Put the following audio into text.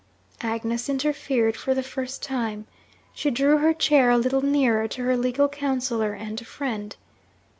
Agnes interfered, for the first time. She drew her chair a little nearer to her legal counsellor and friend.